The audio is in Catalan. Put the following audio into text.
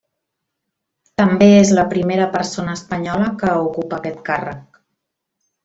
També és la primera persona espanyola que ocupa aquest càrrec.